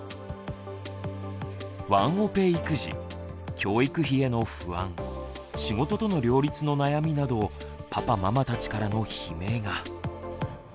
ワンオペ育児教育費への不安仕事との両立の悩みなどパパママたちからの悲鳴が。